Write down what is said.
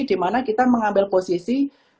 di mana kita mengambil posisi